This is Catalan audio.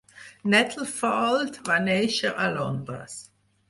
Nettlefold va néixer a Londres.